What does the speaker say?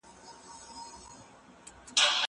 زه اوږده وخت سبا ته فکر کوم!!